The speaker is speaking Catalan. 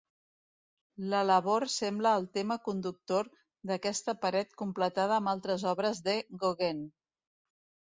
La labor sembla el tema conductor d'aquesta paret completada amb altres obres de Gauguin.